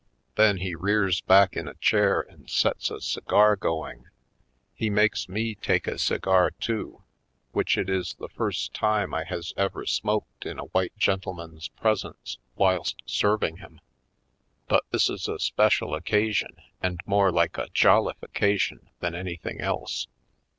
Then he rears back in a chair and sets a cigar going. He makes me take a cigar, too, which it is the first time I has Headed Home 255 ever smoked in a white gentleman's pres ence whilst serving him. But this is a spec ial occasion and more like a jollification than anything else.